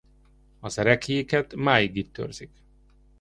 Az ereklyéket máig itt őrzik.